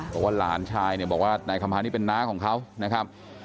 บอกว่าหลานชายเนี่ยบอกว่านายคำพานี่เป็นน้าของเขานะครับ